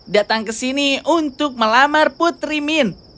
datang ke sini untuk melamar putri min